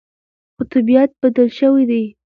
خو طبیعت بدل شوی دی.